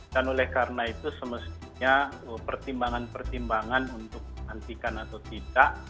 dan oleh karena itu semestinya pertimbangan pertimbangan untuk menghentikan atau tidak